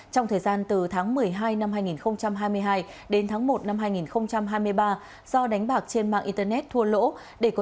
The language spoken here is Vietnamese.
trong thời gian từ tháng một mươi hai năm hai nghìn hai mươi hai đến tháng một năm hai nghìn hai mươi ba do đánh bạc trên mạng internet thua lỗ